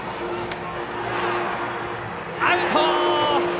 アウト。